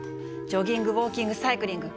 ジョギングウォーキングサイクリング。